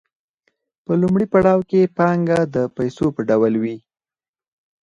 په لومړي پړاو کې پانګه د پیسو په ډول وي